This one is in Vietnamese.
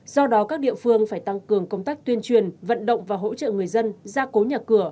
do đó các địa phương phải tăng cường công tác tuyên truyền vận động và hỗ trợ người dân